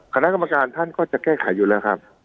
คณะกรรมการท่านก็จะแก้ไขอยู่แล้วครับ